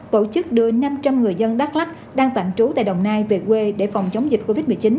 tổ chức đưa năm trăm linh người dân đắk lắc đang tạm trú tại đồng nai về quê để phòng chống dịch covid một mươi chín